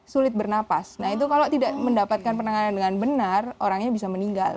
sulit bernapas nah itu kalau tidak mendapatkan penanganan dengan benar orangnya bisa meninggal